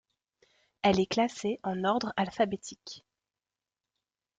Elle est classée en ordre alphabétique.